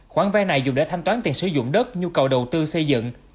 khoản vay này dùng để thanh toán tiền sử dụng đất nhu cầu đầu tư xây dựng